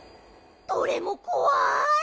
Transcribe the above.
どれもこわい！